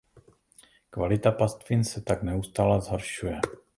Kvalita pastvin se tak neustále zhoršuje.